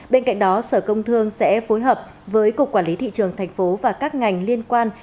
bên cạnh đó sở công thương sẽ phối hợp với cục quản lý thị trường thành phố và các ngành liên quan